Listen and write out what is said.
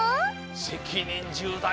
せきにんじゅうだい！